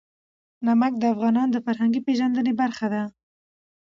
نمک د افغانانو د فرهنګي پیژندنې برخه ده.